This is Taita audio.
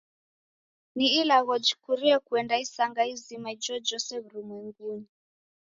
Ni ilagho jikurie kughenda isanga izima ijojose w'urumwengunyi